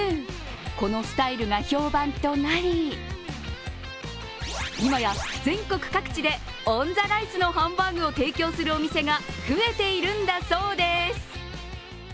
このスタイルが評判となり、今や、全国各地でオン・ザ・ライスのハンバーグを提供するお店が増えているんだそうです。